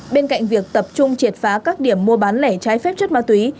bên cạnh việc tập trung triệt phá các điểm mua bán lẻ trái phép chất ma túy